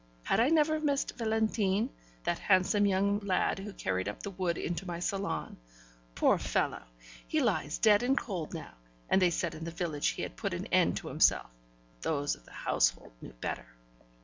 Had I never missed Valentin that handsome young lad who carried up the wood into my salon? Poor fellow! he lies dead and cold now, and they said in the village he had put an end to himself, but those of the household knew better.